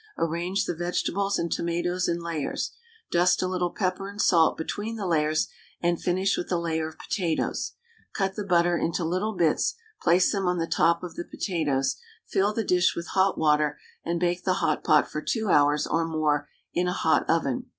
Arrange the vegetables and tomatoes in layers; dust a little pepper and salt between the layers, and finish with a layer of potatoes. Cut the butter into little bits, place them on the top of the potatoes, fill the dish with hot water, and bake the hot pot for 2 hours or more in a hot oven.